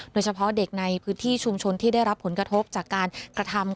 โดยเฉพาะเด็กในพื้นที่ชุมชนที่ได้รับผลกระทบจากการกระทำ